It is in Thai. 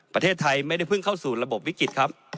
ประเทศไทยไม่ได้เพิ่งเข้าสู่ระบบวิกฤตครับ